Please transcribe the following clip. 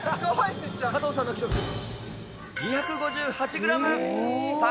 加藤さんの記録、２５８グラム。